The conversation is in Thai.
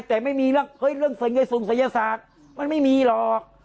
แต่ไม่มีเรื่องสงสัยศาสตร์มันไม่มีหรอก